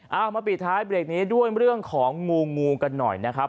เอามาปิดท้ายเบรกนี้ด้วยเรื่องของงูงูกันหน่อยนะครับ